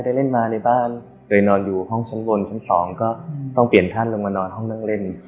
ได้เล่นมาในบ้านเคยนอนอยู่ห้องชั้นบนชั้นสองก็ต้องเปลี่ยนท่านลงมานอนห้องนั่งเล่น